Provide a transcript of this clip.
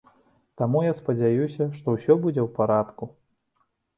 Таму я спадзяюся, што ўсё будзе ў парадку.